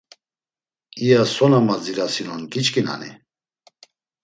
İya so na madzirasinon giçkinani?